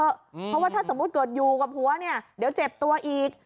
เพราะว่าถ้าสมมุติเกิดอยู่กับผัวเนี่ยเดี๋ยวเจ็บตัวอีก